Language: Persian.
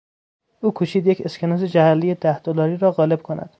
او کوشید یک اسکناس جعلی ده دلاری را قالب کند.